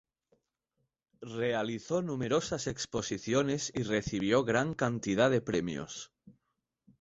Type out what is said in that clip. Realizó numerosas exposiciones y recibió gran cantidad de premios.